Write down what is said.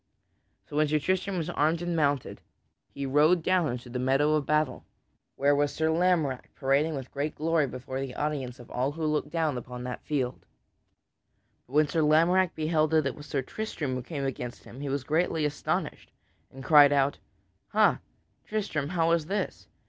So when Sir Tristram was armed and mounted, he rode down into the meadow of battle, where was Sir Lamorack parading with great glory before the applause of all who looked down upon that field. [Sidenote: Sir Lamorack speaks to Sir Tristram] But when Sir Lamorack beheld that it was Sir Tristram who came against him, he was greatly astonished, and cried out: "Ha, Tristram, how is this?